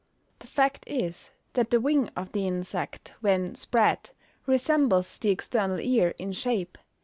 The fact is, that the wing of the insect, when spread, resembles the external ear in shape.